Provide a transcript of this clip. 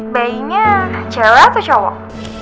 bayinya cewek atau cowok